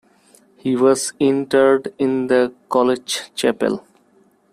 He was interred in the college chapel.